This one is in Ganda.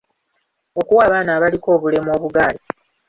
Okuwa abaana abliko obulemu obugaali.